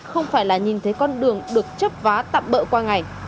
không phải là nhìn thấy con đường được chấp vá tạm bỡ qua ngày